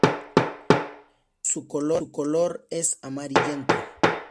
Su color es amarillento.